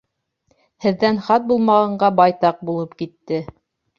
Һеҙҙән хат булмағанға байтаҡ булып китте.